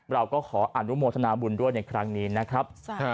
เราก็ขออนุโมทนาบุญด้วยในครั้งนี้นะครับ